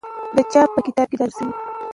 د چا په کتاب کې دا ذکر سوی؟